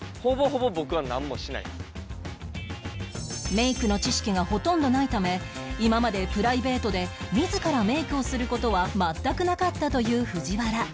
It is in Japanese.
メイクの知識がほとんどないため今までプライベートで自らメイクをする事は全くなかったという藤原